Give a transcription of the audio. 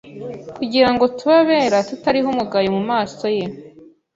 kugirango tube abera tutariho umugayo mu maso ye.